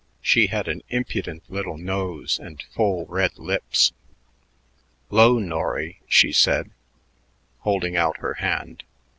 She had an impudent little nose and full red lips. "'Lo, Norry," she said, holding out her hand.